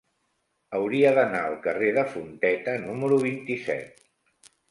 Hauria d'anar al carrer de Fonteta número vint-i-set.